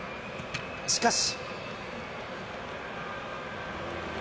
しかし。